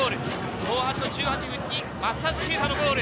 後半の１８分に松橋啓太のゴール。